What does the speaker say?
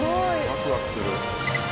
ワクワクする。